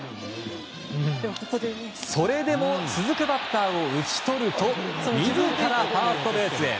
それでも続くバッターを打ち取ると自らファーストベースへ！